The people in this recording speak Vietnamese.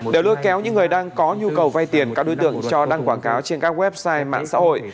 để lôi kéo những người đang có nhu cầu vay tiền các đối tượng cho đăng quảng cáo trên các website mạng xã hội